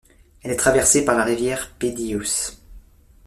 Elle est traversée par la rivière Pedieos.